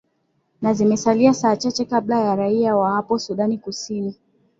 na zimesalia saa chache kabla ya raia wa hapo sudan kusini